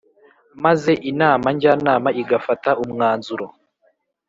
maze Inama Njyanama igafata umwanzuro